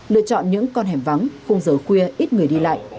lựa chọn những con hẻm vắng khung giờ khuya ít người đi lại